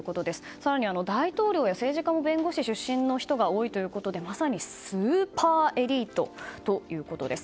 更には大統領や政治家も弁護士出身の方が多いということでまさにスーパーエリートということです。